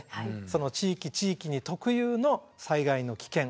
その地域地域に特有の災害の危険。